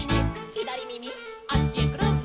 「こっちへくるん」